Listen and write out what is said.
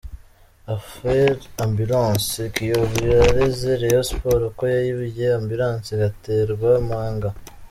Affaire Ambulance: Kiyovu yareze Rayon Sports ko yayibye Ambulance igaterwa mpaga.